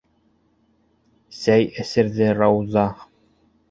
Сәй эсерҙе Рауза.